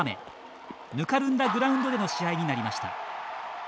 ぬかるんだグラウンドでの試合になりました。